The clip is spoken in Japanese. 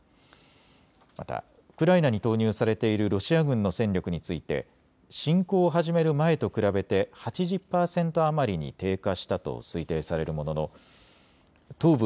またウクライナに投入されているロシア軍の戦力について侵攻を始める前と比べて８０％余りに低下したと推定されるものの東部